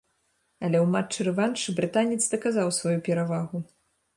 Але ў матчы-рэваншы брытанец даказаў сваю перавагу.